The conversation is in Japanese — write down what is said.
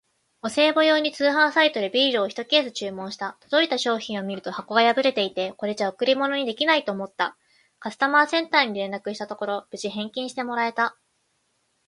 お歳暮用に通販サイトでビールをひとケース注文した。届いた商品を見ると箱が破れていて、これじゃ贈り物にできないと思った。カスタマーセンターに連絡したところ、無事返金してもらえた！